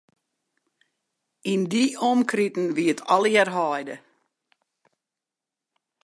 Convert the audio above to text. Yn dy omkriten wie it allegear heide.